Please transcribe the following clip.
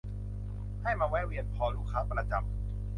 ให้มาแวะเวียนพอ ลูกค้าประจำ